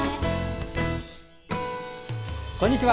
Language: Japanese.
こんにちは。